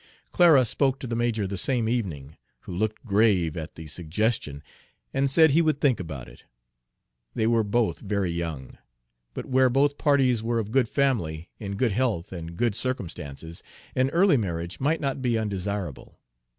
Clara spoke to the major the same evening, who looked grave at the suggestion, and said he would think about it. They were both very young; but where both parties were of good family, in good health and good circumstances, an early marriage might not be undesirable.